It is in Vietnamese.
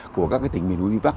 của các tỉnh biển núi bắc